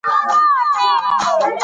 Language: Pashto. د بيان ازادي نعمت دی.